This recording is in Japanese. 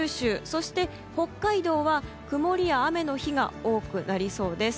そして、北海道は曇りや雨の日が多くなりそうです。